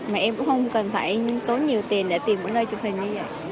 mà em cũng không cần phải tốn nhiều tiền để tìm một nơi chụp hình như vậy